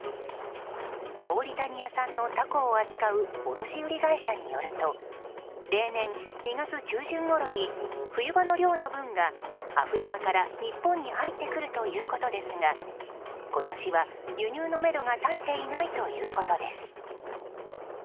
モーリタニア産のタコを扱う卸売会社によると例年２月中旬頃に冬場の量の分がアフリカから日本に入ってくるということですが今年は輸入のめどが立っていないということです。